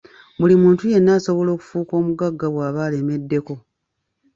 Buli muntu yenna asobola okufuuka omugagga bwaba alemeddeko.